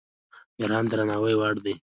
ایران د درناوي وړ دی.